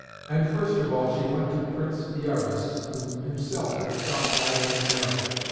And first of all she went to Prince Iarbas, who himself had sought Dido in marriage.